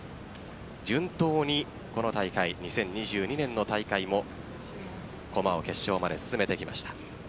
順当に、この大会２０２２年の大会駒を決勝まで進めてきました。